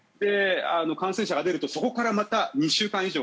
感染者が出るとそこからまた２週間以上